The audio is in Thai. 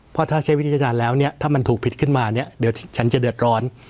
เพราะถ้าใช้วิจารณ์แล้วเนี่ยถ้ามันถูกผิดขึ้นมาเนี่ยเดี๋ยวฉันจะเดือดร้อน